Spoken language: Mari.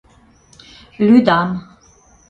Лӱдам».